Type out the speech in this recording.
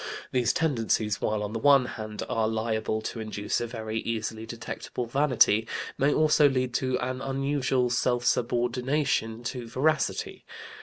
These tendencies, while on the one hand they are liable to induce a very easily detectable vanity, may also lead to an unusual self subordination to veracity.